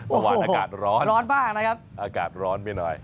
อากาศร้อนร้อนมากนะครับอากาศร้อนไปหน่อย